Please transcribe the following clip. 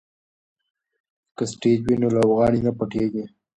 که سټیج وي نو لوبغاړی نه پټیږي.